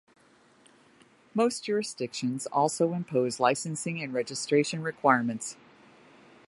Most jurisdictions also impose licensing and registration requirements.